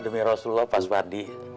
demi rasulullah paswardi